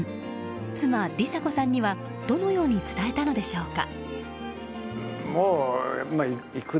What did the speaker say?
妻りさ子さんにはどのように伝えたのでしょうか。